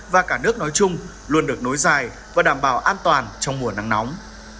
và cả nước nói chung luôn được nối dài và đảm bảo an toàn trong mùa nắng nóng